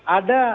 ada satu hal